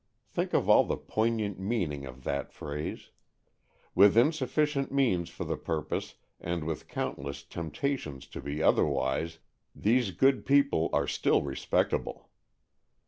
Think of all the poignant meaning of that phrase. With insufficient means for the purpose, and with countless temptations to be otherwise, these good people are still respectable.